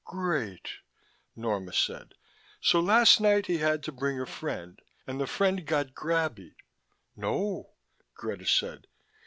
"Great," Nonna said. "So last night he had to bring a friend and the friend got grabby " "No," Greta said.